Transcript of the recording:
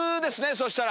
そしたら。